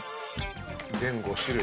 全５種類。